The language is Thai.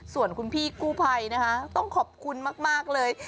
ส่วนคุณพี่กู้ภัยนะคะต้องขอบคุณมากเลย